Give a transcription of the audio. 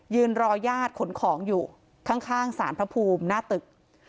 ยืนรอยาตขนของอยู่ข้างศาลพระภูมมหน้าตึก